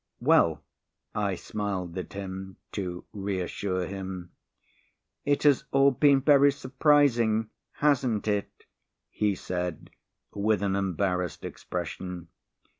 "Well," I smiled at him to reassure him. "It has all been very surprising, hasn't it?" he said with an embarrassed expression.